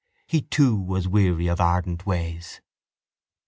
He too was weary of ardent ways.